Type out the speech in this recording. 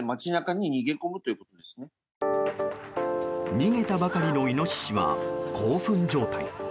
逃げたばかりのイノシシは興奮状態。